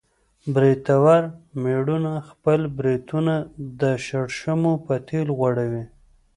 برېتور مېړونه خپل برېتونه د شړشمو په تېل غوړوي.